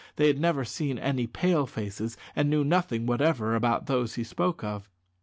They had never seen any Pale faces, and knew nothing whatever about those he spoke of.